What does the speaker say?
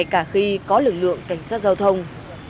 cảnh sát giao thông